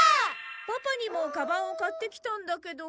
パパにもかばんを買ってきたんだけど。